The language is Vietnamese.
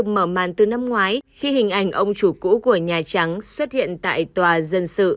mở màn từ năm ngoái khi hình ảnh ông chủ cũ của nhà trắng xuất hiện tại tòa dân sự